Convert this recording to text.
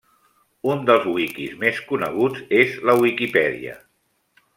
Un dels wikis més coneguts és la Wikipedia.